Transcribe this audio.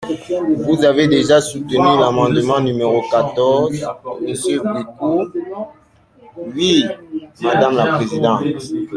Vous avez déjà soutenu l’amendement numéro quatorze, monsieur Bricout… Oui, madame la présidente.